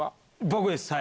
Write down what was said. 僕です。